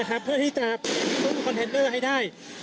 คุณภูริพัฒน์บุญนิน